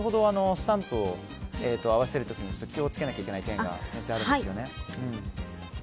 スタンプを合わせる時に気をつけなきゃいけない点があるんですよね。